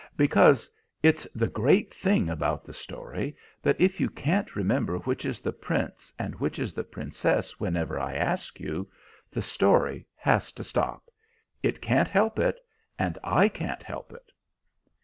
"Because it's the great thing about the story that if you can't remember which is the Prince and which is the Princess whenever I ask you, the story has to stop. It can't help it, and I can't help it."